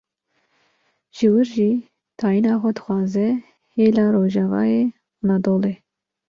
ji wir jî tayîna xwe dixwaze hêla rojavayê Anadolê